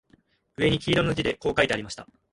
上に黄色な字でこう書いてありました